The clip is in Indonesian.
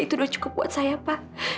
itu sudah cukup buat saya pak